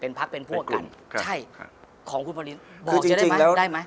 พักเป็นพวกกันใช่ของคุณปรินบอกจะได้ไหมได้ไหม